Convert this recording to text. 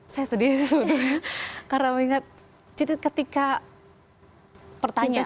saya sedih suduh karena mengingat ketika pertanyaan